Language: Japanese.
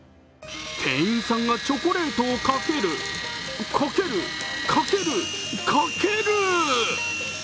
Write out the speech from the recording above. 店員さんがチョコレートをかけるかける、かける、かける！